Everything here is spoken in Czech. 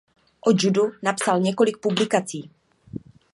O judu napsal několik publikací.